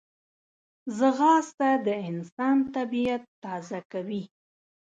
ځغاسته د انسان طبیعت تازه کوي